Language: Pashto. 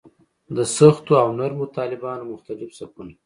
د سختو او نرمو طالبانو مختلف صفونه.